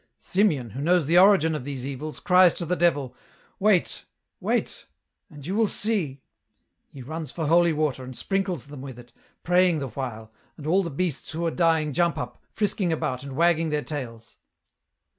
" Simeon, who knows the origin of these evils, cries to the Devil :' Wait, wait, and you will see !' He runs for holy water, and sprinkles them with it, praying the while, and all the beasts who were dying jump up, frisking about and wag ging their tails.